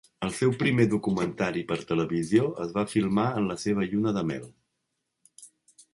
El seu primer documentari per televisió es va filmar en la seva lluna de mel.